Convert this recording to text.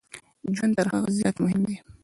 ژوند تر هغه زیات مهم دی.